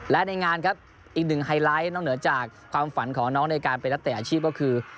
และในงานครับอีกหนึ่งไฮไลท์นอกเหนือจากความฝันของน้องในการเป็นนักเตะอาชีพก็คือ